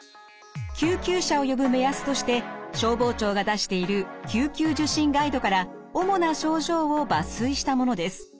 救急車を呼ぶ目安として消防庁が出している救急受診ガイドから主な症状を抜粋したものです。